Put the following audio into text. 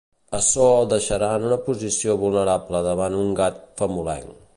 Açò el deixarà en una posició vulnerable davant un gat famolenc.